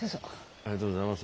ありがとうございます。